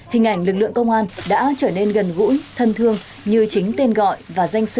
hình ảnh lực lượng công an đã trở nên gần gũi thân thương như chính tên gọi và danh sư